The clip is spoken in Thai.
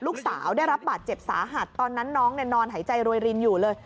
ลูกสาวได้รับบาดเจ็บสาหัสตอนนั้นน้องนอนหายใจโรยรินอยู่เลย